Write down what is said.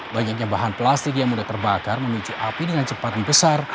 banyaknya bahan plastik yang sudah terbakar menuju api dengan cepat dan besar